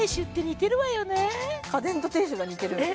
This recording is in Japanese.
家電と亭主が似てる？え？